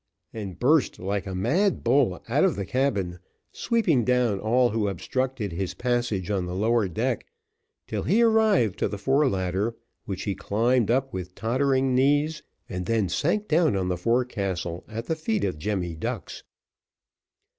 and burst like a mad bull out of the cabin, sweeping down all who obstructed his passage on the lower deck, till he arrived to the fore ladder, which he climbed up with tottering knees, and then sank down on the forecastle at the feet of Jemmy Ducks.